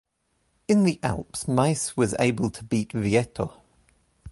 In the Alps, Maes was able to beat Vietto.